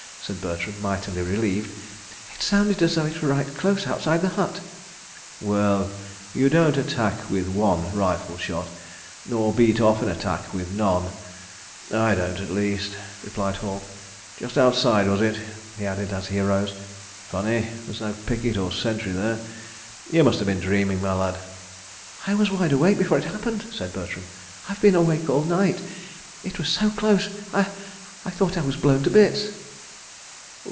said Bertram, mightily relieved. "It sounded as though it were right close outside the hut. ..." "Well—you don't attack with one rifle shot—nor beat off an attack with none. I don't, at least," replied Hall. .. "Just outside, was it?" he added as he arose. "Funny! There's no picket or sentry there. You must have been dreaming, my lad." "I was wide awake before it happened," said Bertram. "I've been awake all night. ... It was so close, I—I thought I was blown to bits.